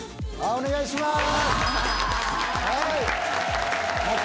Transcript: お願いします。